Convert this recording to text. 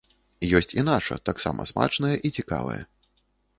Ёсць і наша, таксама смачнае і цікавае.